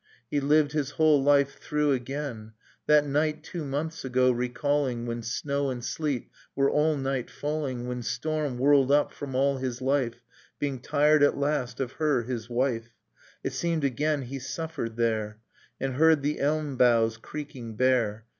He Uved his whole life tlirough again ... That night two months ago recalling When snow and sleet were all night falling. When storm whirled up from all his life, Being tired at last, of her, his wife. It seemed again he suffered there, And heard the elm boughs creaking bare.